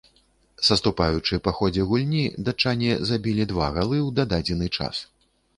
Саступаючы па ходзе гульні, датчане забілі два галы ў дададзены час.